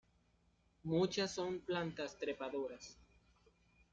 Muchas son plantas trepadoras.